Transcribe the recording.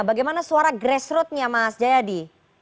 bagaimana suara grassrootnya mas jayadi